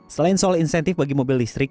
selain soal insentif bagi mobil listrik